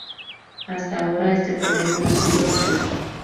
Hasta ahora este problema no ha sido resuelto.